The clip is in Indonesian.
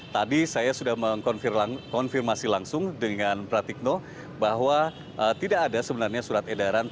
tadi saya sudah mengkonfirmasi langsung dengan praktikno bahwa tidak ada sebenarnya surat edaran terkait informasi tersebut